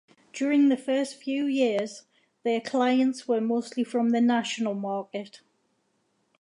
During the first few years, their clients were mostly from the national market.